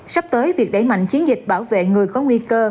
sắp tới việc đẩy mạnh chiến dịch bảo vệ người có nguy cơ